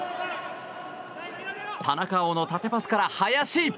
田中碧の縦パスから林。